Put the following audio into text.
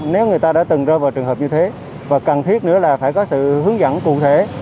nếu người ta đã từng rơi vào trường hợp như thế và cần thiết nữa là phải có sự hướng dẫn cụ thể